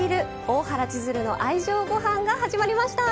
大原千鶴の愛情ごはん」が始まりました。